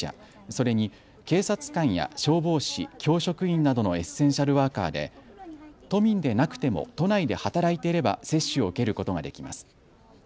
それに警察官や消防士、教職員などのエッセンシャルワーカーで都民でなくても都内で働いていれば接種を受けることができます。